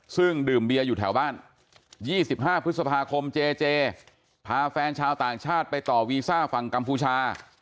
ซึ่งดื่มเบียร์อยู่แถวบ้าน๒๕พฤษภาคมเจเจพาแฟนชาวต่างชาติไปต่อวีซ่าฝั่งกัมพูชา